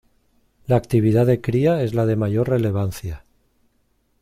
La actividad de cría es la de mayor relevancia.